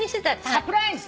サプライズ！